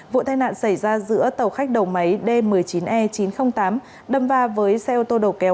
vụ tai nạn xảy ra giữa tàu khách đầu máy d một mươi chín e chín trăm linh tám đâm va với xe ô tô đầu kéo